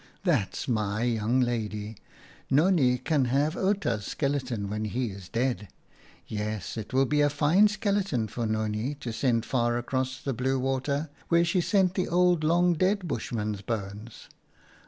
" That's my young lady! Nonnie can have Outa's skeleton when he is dead. Yes, it will be a fine skeleton for Nonnie to send far across the blue water, where she sent the old long dead Bushman's bones.